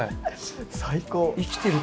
最高。